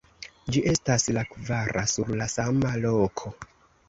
Ĝi estas la kvara sur la sama loko.